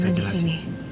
biar saya jelasin